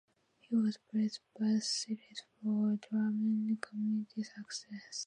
He was praised by critics for drama and comedy success.